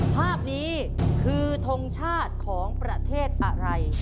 ภาพนี้คือทงชาติของประเทศอะไร